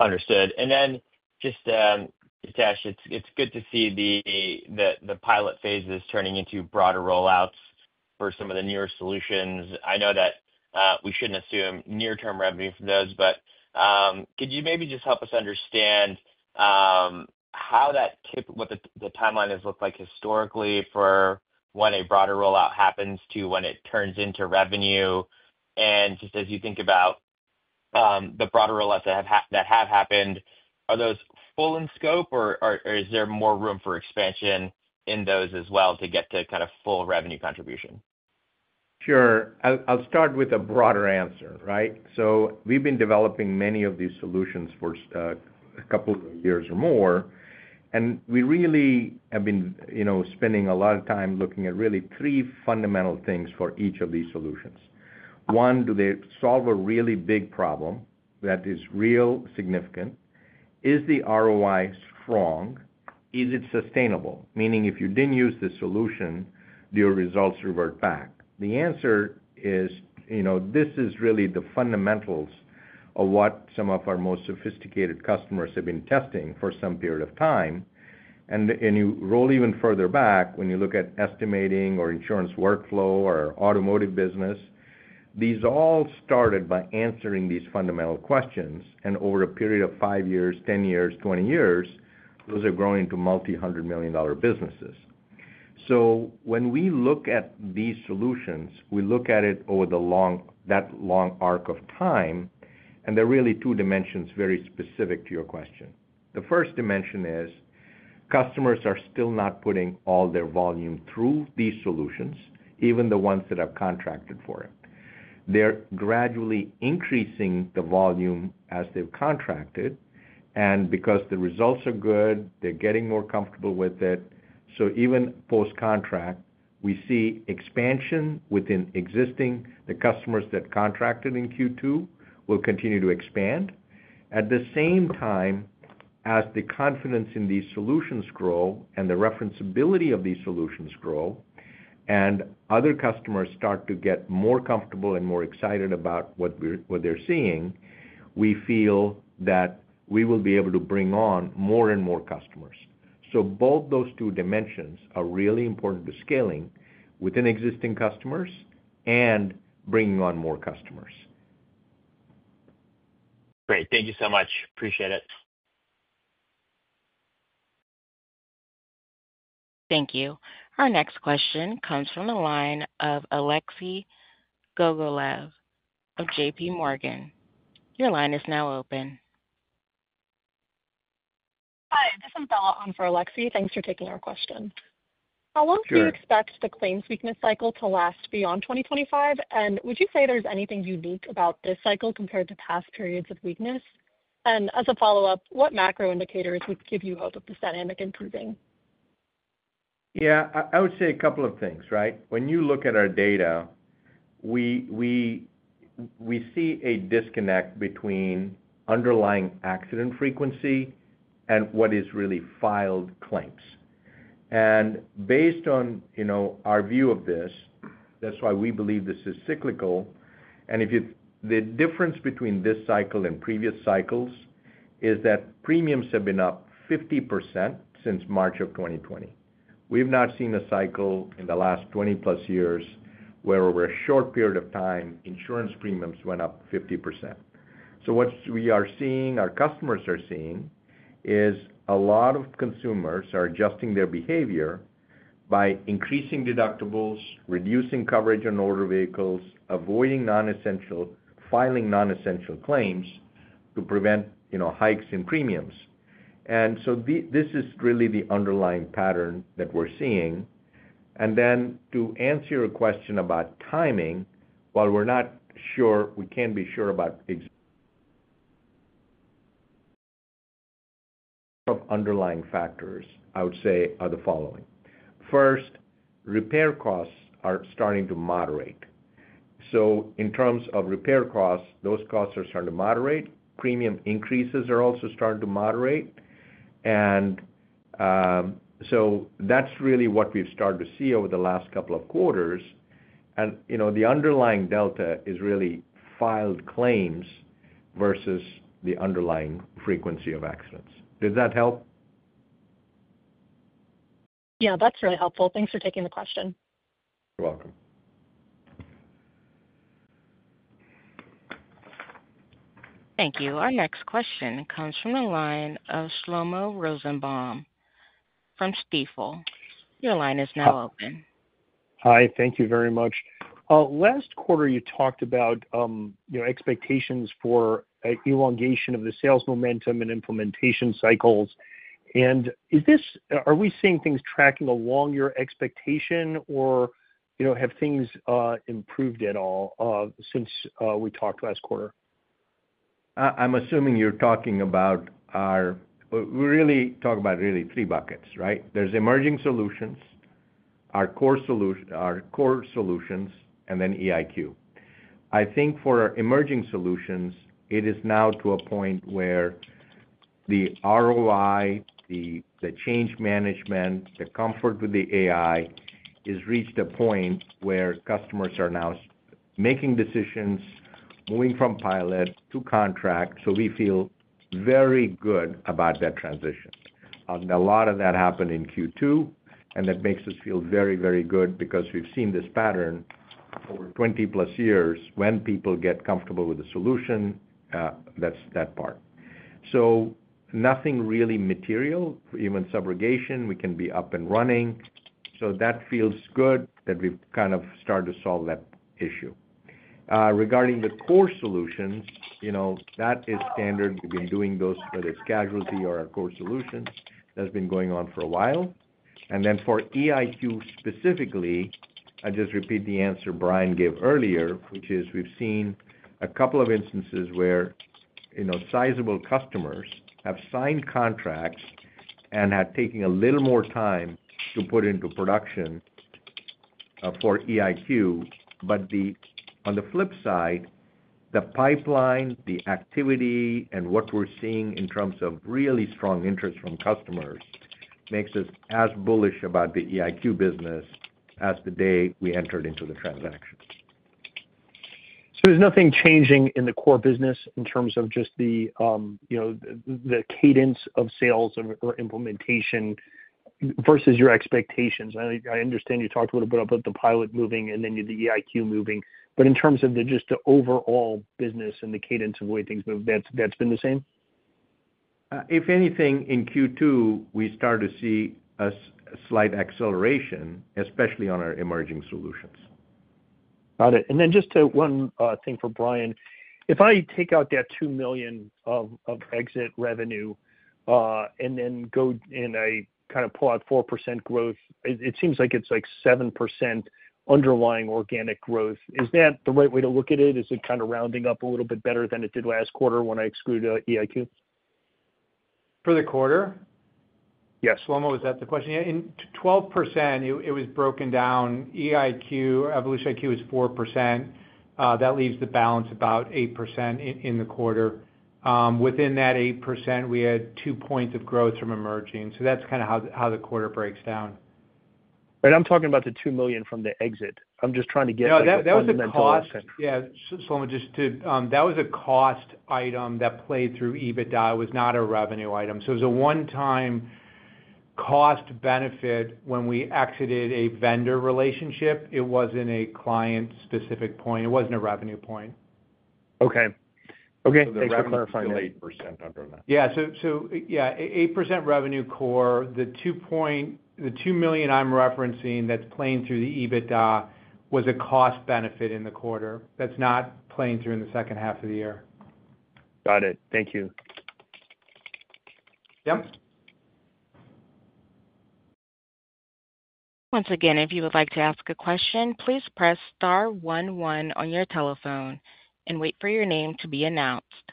Speaker 7: Understood. Githesh, it's good to see the pilot phases turning into broader rollouts for some of the newer solutions. I know that we shouldn't assume near-term revenue from those, but could you maybe just help us understand how that typical, what the timeline has looked like historically for when a broader rollout happens to when it turns into revenue? As you think about the broader rollouts that have happened, are those full in scope or is there more room for expansion in those as well to get to kind of full revenue contribution?
Speaker 3: Sure. I'll start with a broader answer, right? We've been developing many of these solutions for a couple of years or more. We really have been spending a lot of time looking at three fundamental things for each of these solutions. One, do they solve a really big problem that is real significant? Is the ROI strong? Is it sustainable? Meaning, if you didn't use this solution, do your results revert back? The answer is, this is really the fundamentals of what some of our most sophisticated customers have been testing for some period of time. You roll even further back when you look at estimating or insurance workflow or automotive business. These all started by answering these fundamental questions. Over a period of five years, 10 years, 20 years, those have grown into multi-hundred million dollar businesses. When we look at these solutions, we look at it over that long arc of time, and there are really two dimensions very specific to your question. The first dimension is customers are still not putting all their volume through these solutions, even the ones that have contracted for it. They're gradually increasing the volume as they've contracted. Because the results are good, they're getting more comfortable with it. Even post-contract, we see expansion within existing customers that contracted in Q2 will continue to expand. At the same time, as the confidence in these solutions grow and the referenceability of these solutions grow and other customers start to get more comfortable and more excited about what they're seeing, we feel that we will be able to bring on more and more customers. Both those two dimensions are really important to scaling within existing customers and bringing on more customers.
Speaker 7: Great, thank you so much. Appreciate it.
Speaker 1: Thank you. Our next question comes from the line of Alexi Gogolev of J.P. Morgan. Your line is now open.
Speaker 8: Hi, this is Bella on for Alexi. Thanks for taking our question. How long do you expect the claims weakness cycle to last beyond 2025? Would you say there's anything unique about this cycle compared to past periods of weakness? As a follow-up, what macro indicators would give you hope of the dynamic improving?
Speaker 3: I would say a couple of things, right? When you look at our data, we see a disconnect between underlying accident frequency and what is really filed claims. Based on our view of this, that's why we believe this is cyclical. The difference between this cycle and previous cycles is that premiums have been up 50% since March of 2020. We have not seen a cycle in the last 20-plus years where, over a short period of time, insurance premiums went up 50%. What we are seeing, our customers are seeing, is a lot of consumers are adjusting their behavior by increasing deductibles, reducing coverage on older vehicles, and avoiding filing non-essential claims to prevent hikes in premiums. This is really the underlying pattern that we're seeing. To answer your question about timing, while we're not sure, we can't be sure about underlying factors, I would say the following. First, repair costs are starting to moderate. In terms of repair costs, those costs are starting to moderate. Premium increases are also starting to moderate. That's really what we've started to see over the last couple of quarters. The underlying delta is really filed claims versus the underlying frequency of accidents. Does that help?
Speaker 8: Yeah, that's really helpful. Thanks for taking the question.
Speaker 3: You're welcome.
Speaker 1: Thank you. Our next question comes from the line of Shlomo Rosenbaum from Stifel. Your line is now open.
Speaker 9: Hi. Thank you very much. Last quarter, you talked about expectations for an elongation of the sales momentum and implementation cycles. Is this, are we seeing things tracking along your expectation, or have things improved at all since we talked last quarter?
Speaker 3: I'm assuming you're talking about our, we really talk about really three buckets, right? There's emerging solutions, our core solutions, and then EIQ. I think for emerging solutions, it is now to a point where the ROI, the change management, the comfort with the AI has reached a point where customers are now making decisions, moving from pilot to contract. We feel very good about that transition. A lot of that happened in Q2, and that makes us feel very, very good because we've seen this pattern over 20+ years when people get comfortable with the solution. That's that part. Nothing really material, even subrogation. We can be up and running. That feels good that we've kind of started to solve that issue. Regarding the core solutions, you know, that is standard. We've been doing those, whether it's casualty or our core solutions, that's been going on for a while. For EIQ specifically, I'll just repeat the answer Brian gave earlier, which is we've seen a couple of instances where sizable customers have signed contracts and have taken a little more time to put into production for EIQ. On the flip side, the pipeline, the activity, and what we're seeing in terms of really strong interest from customers makes us as bullish about the EIQ business as the day we entered into the transaction.
Speaker 9: There's nothing changing in the core business in terms of just the cadence of sales or implementation versus your expectations. I understand you talked a little bit about the pilot moving and then the EIQ moving. In terms of just the overall business and the cadence of the way things move, that's been the same?
Speaker 3: If anything, in Q2, we started to see a slight acceleration, especially on our emerging solutions.
Speaker 9: Got it. Just to one thing for Brian, if I take out that $2 million of exit revenue, and then go and I kind of pull out 4% growth, it seems like it's like 7% underlying organic growth. Is that the right way to look at it? Is it kind of rounding up a little bit better than it did last quarter when I exclude EvolutionIQ?
Speaker 4: For the quarter?
Speaker 9: Yes.
Speaker 4: Shlomo, was that the question? Yeah. In 12%, it was broken down. EvolutionIQ was 4%. That leaves the balance about 8% in the quarter. Within that 8%, we had two points of growth from emerging. That's kind of how the quarter breaks down.
Speaker 9: I'm talking about the $2 million from the exit. I'm just trying to get that.
Speaker 4: No, that was a cost.
Speaker 9: The cost.
Speaker 4: Yeah, Shlomo, that was a cost item that played through EBITDA. It was not a revenue item. It was a one-time cost benefit when we exited a vendor relationship. It wasn't a client-specific point. It wasn't a revenue point.
Speaker 9: Okay. That's the. Clarifying the 8% under that.
Speaker 4: Yeah, 8% revenue core. The $2 million I'm referencing that's playing the Adjusted EBITDA was a cost benefit in the quarter that's not playing through in the second half of the year.
Speaker 9: Got it. Thank you.
Speaker 4: Yep.
Speaker 1: Once again, if you would like to ask a question, please press star one one on your telephone and wait for your name to be announced.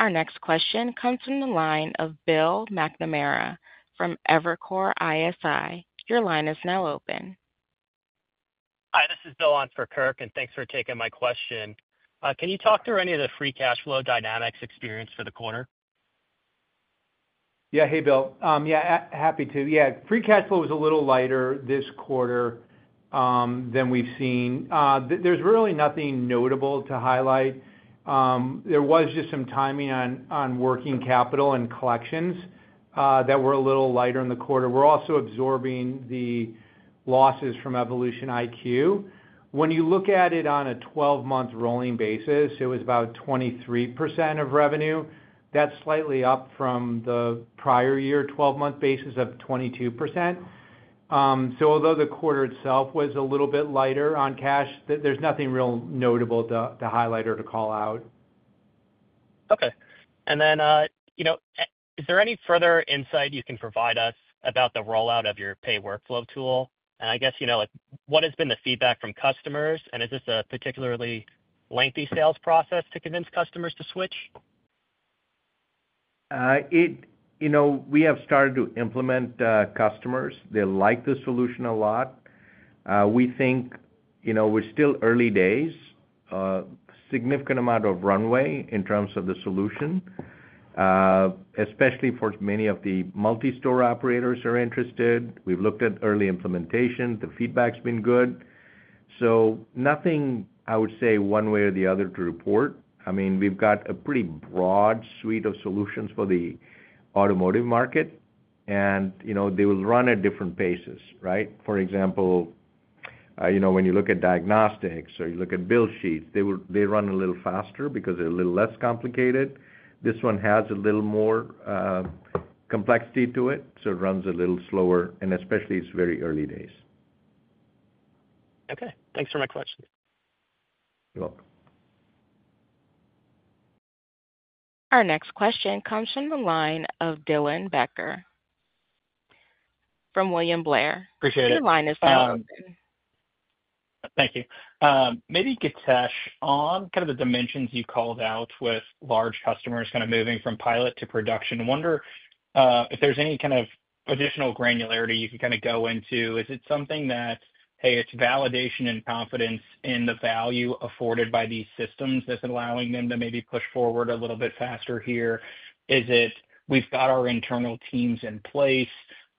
Speaker 1: Our next question comes from the line of Bill McNamara from Evercore ISI. Your line is now open.
Speaker 10: Hi, this is Bill on for Kirk, and thanks for taking my question. Can you talk through any of the free cash flow dynamics experienced for the quarter?
Speaker 4: Hey, Bill. Happy to. Free cash flow was a little lighter this quarter than we've seen. There's really nothing notable to highlight. There was just some timing on working capital and collections that were a little lighter in the quarter. We're also absorbing the losses from EvolutionIQ. When you look at it on a 12-month rolling basis, it was about 23% of revenue. That's slightly up from the prior year 12-month basis of 22%. Although the quarter itself was a little bit lighter on cash, there's nothing real notable to highlight or to call out.
Speaker 10: Okay. Is there any further insight you can provide us about the rollout of your pay workflow tool? I guess, what has been the feedback from customers? Is this a particularly lengthy sales process to convince customers to switch?
Speaker 3: We have started to implement customers. They like the solution a lot. We think we're still early days, a significant amount of runway in terms of the solution, especially for many of the multi-store operators who are interested. We've looked at early implementation. The feedback's been good. Nothing, I would say, one way or the other to report. We've got a pretty broad suite of solutions for the automotive market. They will run at different paces, right? For example, when you look at diagnostics or you look at Build Sheets, they run a little faster because they're a little less complicated. This one has a little more complexity to it, so it runs a little slower, and especially it's very early days.
Speaker 10: Okay, thanks for my question.
Speaker 3: You're welcome.
Speaker 1: Our next question comes from the line of Dylan Becker from William Blair.
Speaker 11: Appreciate it.
Speaker 1: Your line is now open.
Speaker 11: Thank you. Maybe Githesh, on the dimensions you called out with large customers moving from pilot to production, I wonder if there's any additional granularity you can go into. Is it something that, hey, it's validation and confidence in the value afforded by these systems that's allowing them to maybe push forward a little bit faster here? Is it we've got our internal teams in place,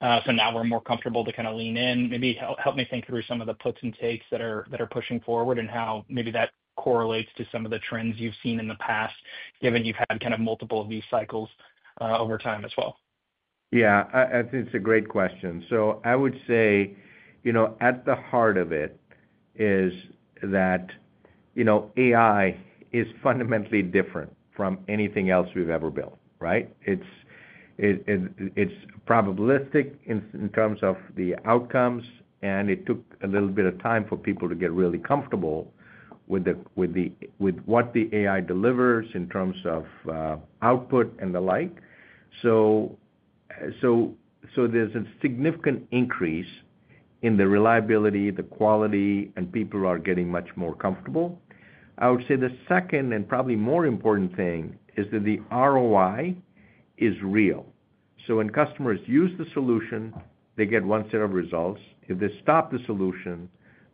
Speaker 11: so now we're more comfortable to lean in? Maybe help me think through some of the puts and takes that are pushing forward and how that correlates to some of the trends you've seen in the past, given you've had multiple of these cycles over time as well.
Speaker 3: Yeah, I think it's a great question. I would say, at the heart of it is that AI is fundamentally different from anything else we've ever built, right? It's probabilistic in terms of the outcomes, and it took a little bit of time for people to get really comfortable with what the AI delivers in terms of output and the like. There's a significant increase in the reliability, the quality, and people are getting much more comfortable. I would say the second and probably more important thing is that the ROI is real. When customers use the solution, they get one set of results. If they stop the solution,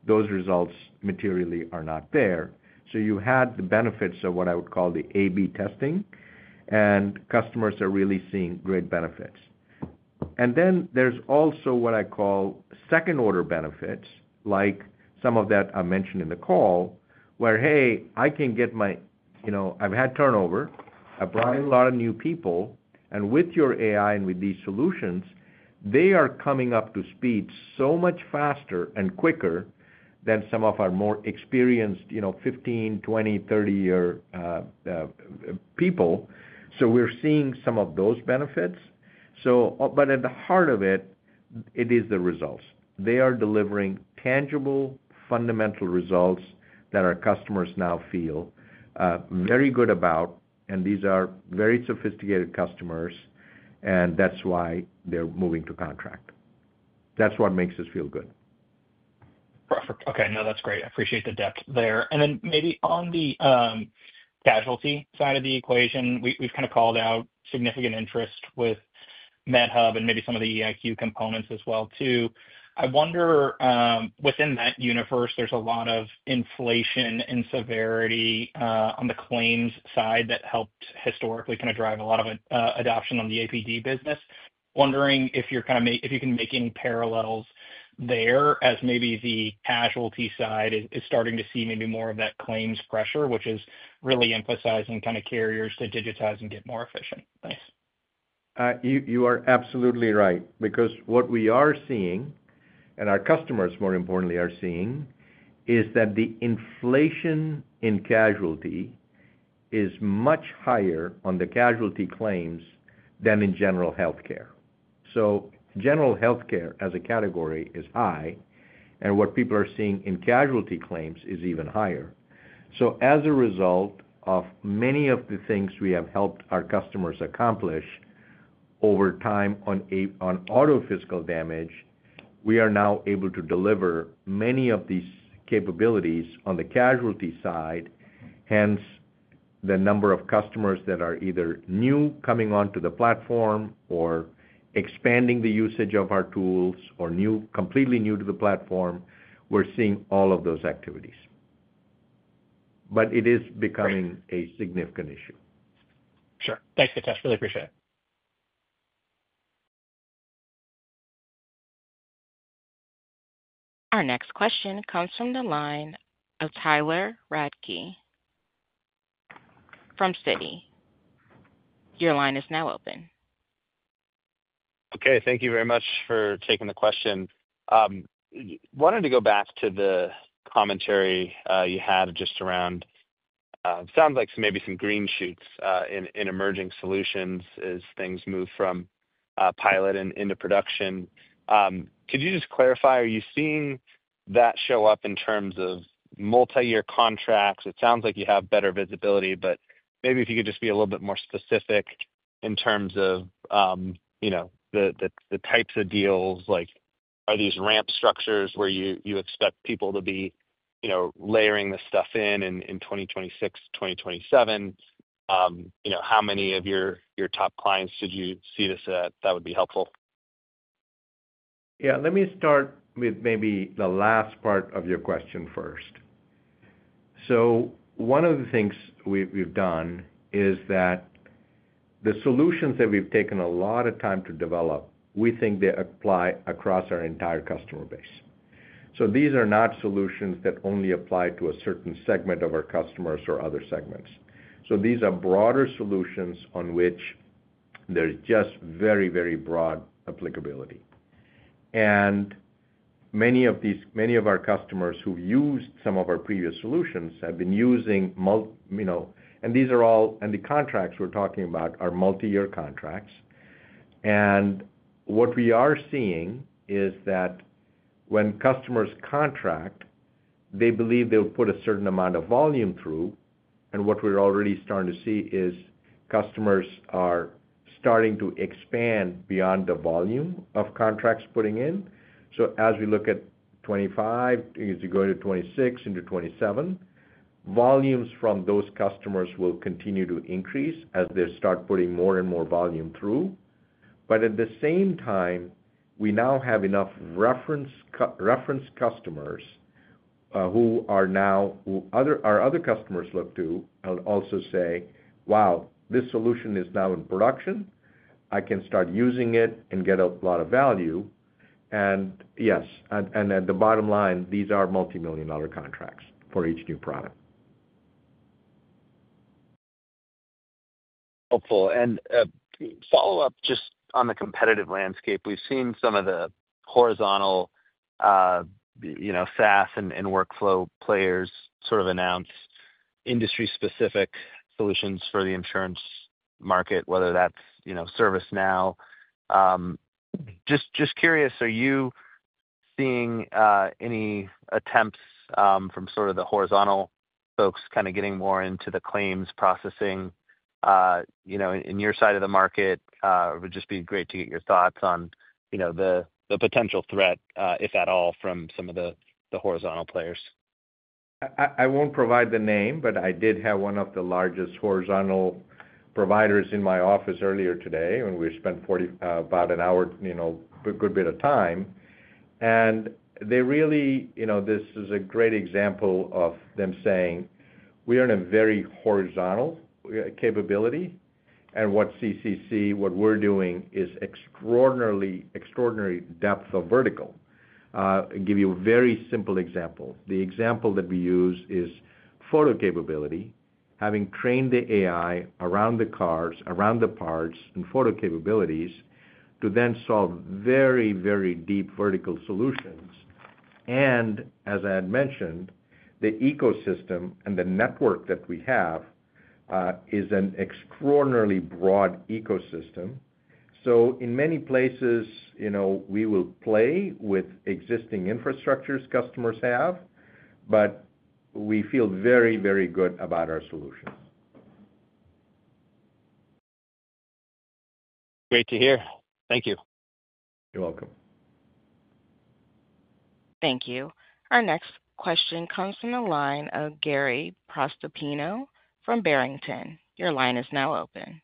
Speaker 3: those results materially are not there. You had the benefits of what I would call the A/B testing, and customers are really seeing great benefits. There's also what I call second-order benefits, like some of that I mentioned in the call, where, hey, I can get my, you know, I've had turnover. I brought in a lot of new people. With your AI and with these solutions, they are coming up to speed so much faster and quicker than some of our more experienced, you know, 15, 20, 30-year people. We're seeing some of those benefits. At the heart of it, it is the results. They are delivering tangible, fundamental results that our customers now feel very good about. These are very sophisticated customers, and that's why they're moving to contract. That's what makes us feel good.
Speaker 11: Perfect. Okay. No, that's great. I appreciate the depth there. Maybe on the casualty side of the equation, we've kind of called out significant interest with MedHub and maybe some of the EvolutionIQ components as well, too. I wonder, within that universe, there's a lot of inflation in severity on the claims side that helped historically kind of drive a lot of adoption on the APD business. Wondering if you can make any parallels there, as maybe the casualty side is starting to see more of that claims pressure, which is really emphasizing carriers to digitize and get more efficient. Thanks.
Speaker 3: You are absolutely right, because what we are seeing, and our customers, more importantly, are seeing, is that the inflation in casualty is much higher on the casualty claims than in general healthcare. General healthcare as a category is high, and what people are seeing in casualty claims is even higher. As a result of many of the things we have helped our customers accomplish over time on auto-physical damage, we are now able to deliver many of these capabilities on the casualty side. The number of customers that are either new coming onto the platform or expanding the usage of our tools or completely new to the platform, we're seeing all of those activities. It is becoming a significant issue.
Speaker 11: Sure. Thanks, Githesh. Really appreciate it.
Speaker 1: Our next question comes from the line of Tyler Radke from Citigroup Inc. Your line is now open.
Speaker 12: Thank you very much for taking the question. I wanted to go back to the commentary you had just around, it sounds like maybe some green shoots in emerging solutions as things move from pilot and into production. Could you just clarify, are you seeing that show up in terms of multi-year contracts? It sounds like you have better visibility, but maybe if you could just be a little bit more specific in terms of the types of deals, like are these ramp structures where you expect people to be layering the stuff in in 2026, 2027? How many of your top clients did you see this at? That would be helpful.
Speaker 3: Let me start with maybe the last part of your question first. One of the things we've done is that the solutions we've taken a lot of time to develop, we think they apply across our entire customer base. These are not solutions that only apply to a certain segment of our customers or other segments. These are broader solutions on which there's just very, very broad applicability. Many of our customers who've used some of our previous solutions have been using multi, you know, and these are all, and the contracts we're talking about are multi-year contracts. What we are seeing is that when customers contract, they believe they'll put a certain amount of volume through. What we're already starting to see is customers are starting to expand beyond the volume of contracts putting in. As we look at 2025, as you go into 2026 into 2027, volumes from those customers will continue to increase as they start putting more and more volume through. At the same time, we now have enough reference customers who our other customers look to and also say, "Wow, this solution is now in production. I can start using it and get a lot of value." Yes, at the bottom line, these are multi-million dollar contracts for each new product.
Speaker 12: Helpful. A follow-up just on the competitive landscape. We've seen some of the horizontal, you know, SaaS and workflow players sort of announce industry-specific solutions for the insurance market, whether that's, you know, ServiceNow. Just curious, are you seeing any attempts from sort of the horizontal folks kind of getting more into the claims processing, you know, in your side of the market? It would just be great to get your thoughts on, you know, the potential threat, if at all, from some of the horizontal players.
Speaker 3: I won't provide the name, but I did have one of the largest horizontal providers in my office earlier today, and we spent about an hour, you know, a good bit of time. They really, you know, this is a great example of them saying, "We are in a very horizontal capability, and what CCC, what we're doing is extraordinary, extraordinary depth of vertical." I'll give you a very simple example. The example that we use is photo capability, having trained the AI around the cars, around the parts, and photo capabilities to then solve very, very deep vertical solutions. As I had mentioned, the ecosystem and the network that we have is an extraordinarily broad ecosystem. In many places, you know, we will play with existing infrastructures customers have, but we feel very, very good about our solutions.
Speaker 12: Great to hear. Thank you.
Speaker 3: You're welcome.
Speaker 1: Thank you. Our next question comes from the line of Gary Prestopino from Barrington. Your line is now open.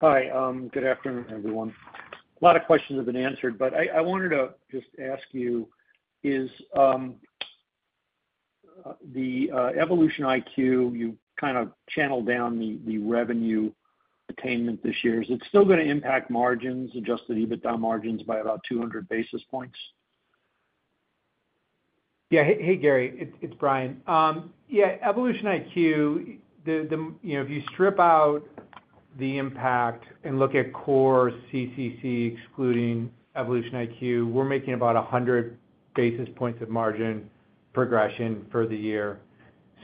Speaker 13: Hi. Good afternoon, everyone. A lot of questions have been answered, but I wanted to just ask you, is the EvolutionIQ, you kind of channeled down the revenue attainment this year, is it still going to impact Adjusted EBITDA margins by about 200 basis points?
Speaker 4: Yeah. Hey, Gary. It's Brian. Yeah, EvolutionIQ, if you strip out the impact and look at core CCC excluding EvolutionIQ, we're making about 100 basis points of margin progression for the year.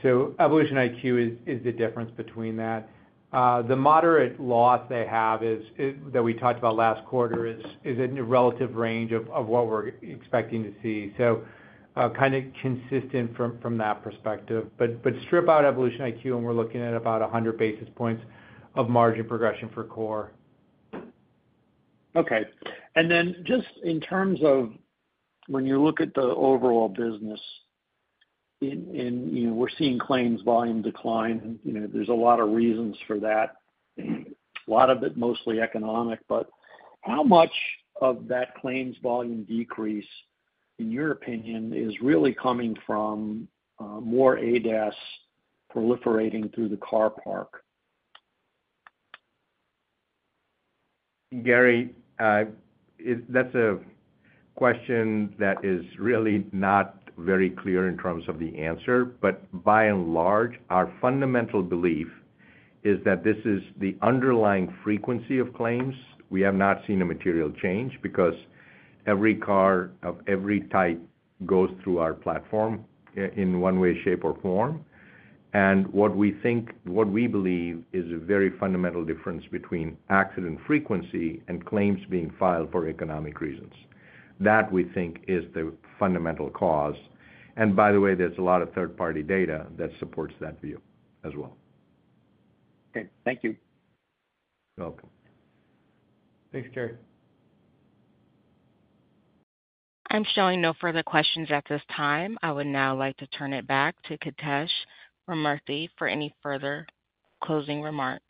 Speaker 4: EvolutionIQ is the difference between that. The moderate loss they have that we talked about last quarter is a relative range of what we're expecting to see, kind of consistent from that perspective. Strip out EvolutionIQ, and we're looking at about 100 basis points of margin progression for core.
Speaker 13: Okay. In terms of when you look at the overall business, we're seeing claims volume decline, and there's a lot of reasons for that. A lot of it is mostly economic, but how much of that claims volume decrease, in your opinion, is really coming from more ADAS proliferating through the car park?
Speaker 3: Gary, that's a question that is really not very clear in terms of the answer. By and large, our fundamental belief is that this is the underlying frequency of claims. We have not seen a material change because every car of every type goes through our platform in one way, shape, or form. What we think, what we believe, is a very fundamental difference between accident frequency and claims being filed for economic reasons. That we think is the fundamental cause. By the way, there's a lot of third-party data that supports that view as well.
Speaker 13: Okay, thank you.
Speaker 3: You're welcome.
Speaker 4: Thanks, Gary?
Speaker 1: I'm showing no further questions at this time. I would now like to turn it back to Githesh Ramamurthy for any further closing remarks.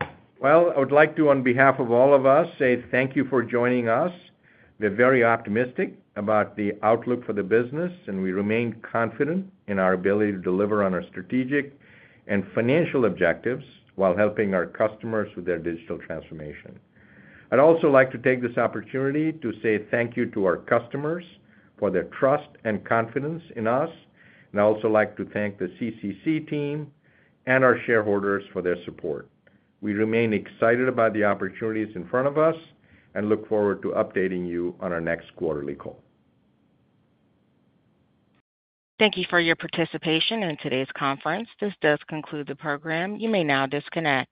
Speaker 3: I would like to, on behalf of all of us, say thank you for joining us. We're very optimistic about the outlook for the business, and we remain confident in our ability to deliver on our strategic and financial objectives while helping our customers with their digital transformation. I'd also like to take this opportunity to say thank you to our customers for their trust and confidence in us. I'd also like to thank the CCC team and our shareholders for their support. We remain excited about the opportunities in front of us and look forward to updating you on our next quarterly call.
Speaker 1: Thank you for your participation in today's conference. This does conclude the program. You may now disconnect.